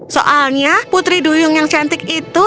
soalnya putri duyung yang cantik itu